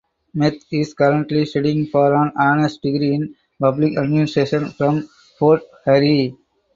Meth is currently studying for an honours degree in public administration from Fort Hare.